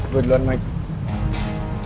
gue duluan mike